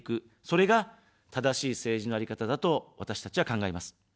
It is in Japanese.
それが正しい政治のあり方だと、私たちは考えます。